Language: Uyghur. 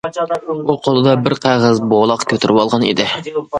ئۇ قولىدا بىر قەغەز بولاق كۆتۈرۈۋالغان ئىدى.